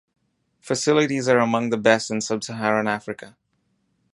Facilities are among the best in sub-Saharan Africa.